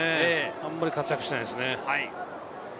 あんまり活躍していないですね。